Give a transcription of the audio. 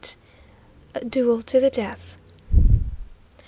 A DUEL TO THE DEATH.